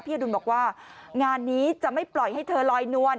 อดุลบอกว่างานนี้จะไม่ปล่อยให้เธอลอยนวล